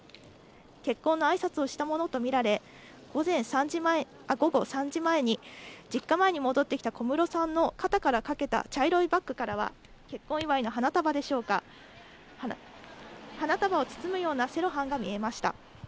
結婚のあいさつをしたものと見られ、午後３時前に、実家前に戻ってきた小室さんの肩からかけた茶色いバッグからは、結婚祝いの花束でしょうか、花束を包むようなセロハンが見えました。